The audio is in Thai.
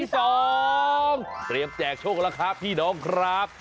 เตรียมแจกโชคแล้วครับพี่น้องครับ